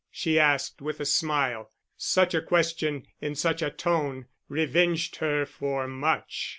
she asked, with a smile: such a question in such a tone, revenged her for much.